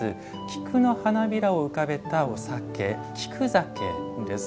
菊の花びらを浮かべたお酒菊酒です。